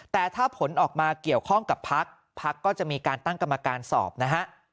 แต่ถ้าผลออกมาเกี่ยวข้องกับพักพักก็จะมีการตั้งกรรมการสอบนะฮะ